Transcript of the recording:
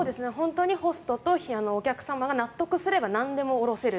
ホストとお客様が納得すればなんでもおろせる。